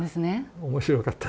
面白かった。